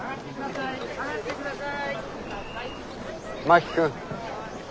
真木君。